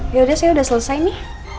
yaudah saya udah selesai nih